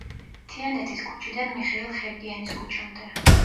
თიანეთის ქუჩიდან მიხეილ ხერგიანის ქუჩამდე.